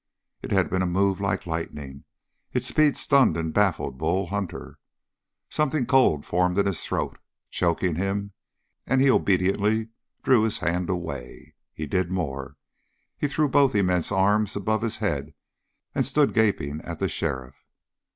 It had been a move like lightning. Its speed stunned and baffled Bull Hunter. Something cold formed in his throat, choking him, and he obediently drew his hand away. He did more. He threw both immense arms above his head and stood gaping at the sheriff.